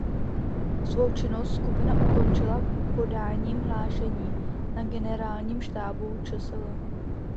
Svou činnost skupina ukončila podáním hlášení na generálním štábu čsl.